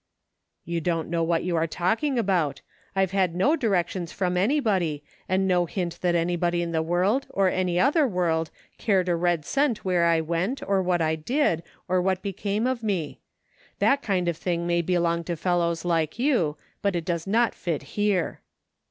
" You don't know what you are talking about. I've had no directions from anybody, and no hint that anybody in this world or any other world cared a red cent where I went, or what I did, or 52 OPPORTUNITY. what became of me. That kind of thing may be long to fellows like you ; but it does not fit here."